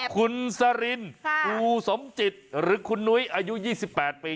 คุณสรินภูสมจิตหรือคุณนุ้ยอายุ๒๘ปี